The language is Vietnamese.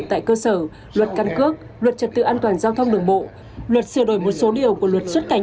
tại cơ sở luật căn cước luật trật tự an toàn giao thông đường bộ luật sửa đổi một số điều của luật xuất cảnh